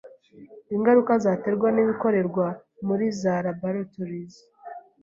ingaruka zaterwa n'ibikorerwa muri za laboratoires